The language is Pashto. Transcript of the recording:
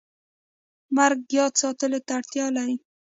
مرګ یاد ساتلو ته اړتیا لري